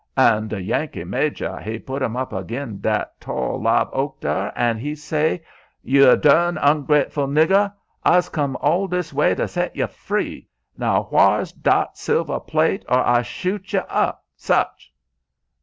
And deh Yankee major he put 'm up ag'in' dat tall live oak dar, an' he say: 'Yuh darn ungrateful nigger! I's come all dis way to set yuh free. Now, whar's dat silver plate, or I shoot yuh up, such!'